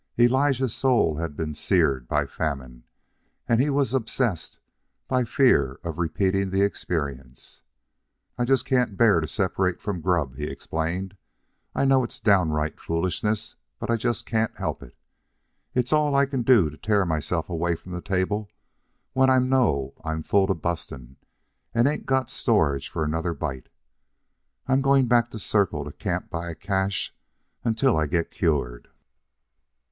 Elijah's soul had been seared by famine, and he was obsessed by fear of repeating the experience. "I jest can't bear to separate from grub," he explained. "I know it's downright foolishness, but I jest can't help it. It's all I can do to tear myself away from the table when I know I'm full to bustin' and ain't got storage for another bite. I'm going back to Circle to camp by a cache until I get cured."